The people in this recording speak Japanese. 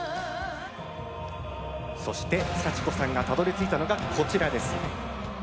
そして、幸子さんがたどりついたのがこちら。